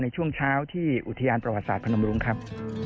ในช่วงเช้าที่อุทยานประวัติศาสตร์พนมรุงครับ